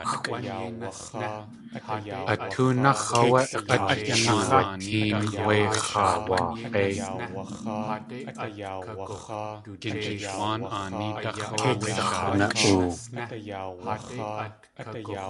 A tóonáx̲ áwé at duwatéen wé x̲aawaag̲éi.